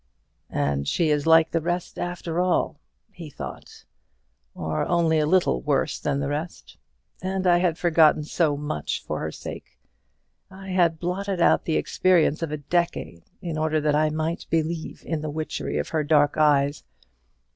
"And she is like the rest, after all," he thought; "or only a little worse than the rest. And I had forgotten so much for her sake. I had blotted out the experience of a decade in order that I might believe in the witchery of her dark eyes.